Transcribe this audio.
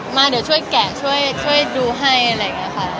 มาเดี๋ยวช่วยแกะช่วยดูให้อะไรอย่างนี้ค่ะ